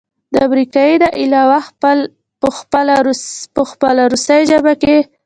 د امريکې نه علاوه پخپله روس په خپله روسۍ ژبه کښې